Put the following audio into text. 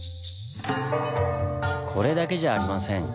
これだけじゃありません。